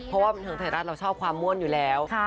เพราะว่าบันเทิงไทยรัฐเราชอบความม่วนอยู่แล้ว